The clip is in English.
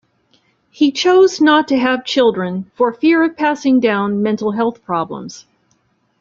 He chose not to have children for fear of passing down mental health problems.